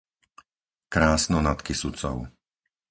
Krásno nad Kysucou